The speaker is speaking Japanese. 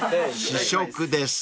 ［試食です］